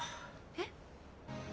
えっ？